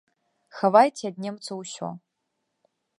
Хавайце ад немцаў усё!